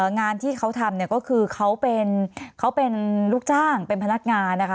งานที่เขาทำเนี่ยก็คือเขาเป็นลูกจ้างเป็นพนักงานนะคะ